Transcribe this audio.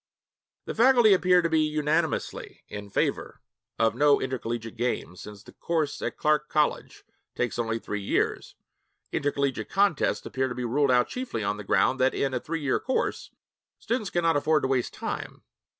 The faculty appear to be unanimously in favor of no intercollegiate games, since the course at Clark College takes only three years. Intercollegiate contests appear to be ruled out chiefly on the ground that, in a three year course, students cannot afford to waste time.